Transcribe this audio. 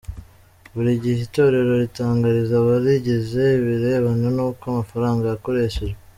Buri gihe itorero ritangariza abarigize ibirebana n’uko amafaranga yakoreshejwe.